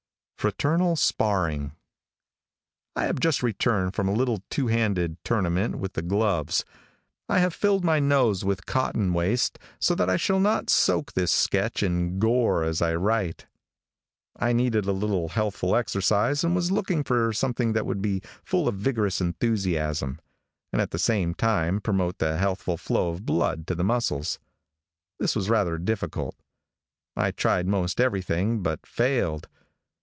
FRATERNAL SPARRING. |I HAVE just returned from a little two handed tournament with the gloves. I have filled my nose with cotton waste so that I shall not soak this sketch in gore as I write. I needed a little healthful exercise and was looking for something that would be full of vigorous enthusiasm, and at the same time promote the healthful flow of blood to the muscles. This was rather difficult. I tried most everything, but failed.